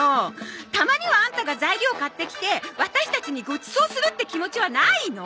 たまにはアンタが材料買ってきてワタシたちにごちそうするって気持ちはないの？